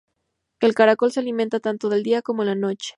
El caracol se alimenta tanto en el día como en la noche.